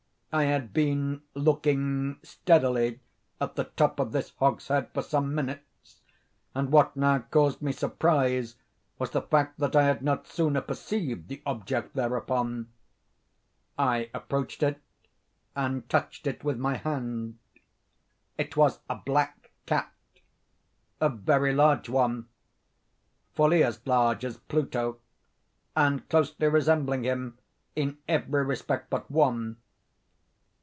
I had been looking steadily at the top of this hogshead for some minutes, and what now caused me surprise was the fact that I had not sooner perceived the object thereupon. I approached it, and touched it with my hand. It was a black cat—a very large one—fully as large as Pluto, and closely resembling him in every respect but one.